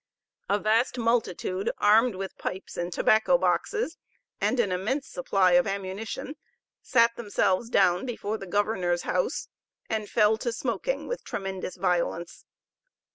A vast multitude, armed with pipes and tobacco boxes, and an immense supply of ammunition, sat themselves down before the governor's house, and fell to smoking with tremendous violence.